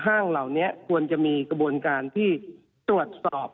ห้างเหล่านี้ควรจะมีกระบวนการที่ตรวจสอบ